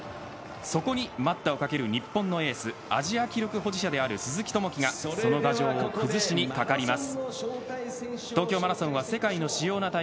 そこに待ったをかける日本のエース、アジア記録保持者である鈴木朋樹がその牙城を崩しにかかります。